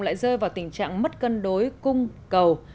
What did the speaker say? lại rơi vào tình trạng mất cân đối cung cầu